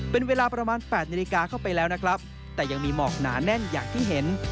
เป็นเวลาประมาณ๘นาฬิกาเข้าไปแล้วนะครับแต่ยังมีหมอกหนาแน่นอย่างที่เห็น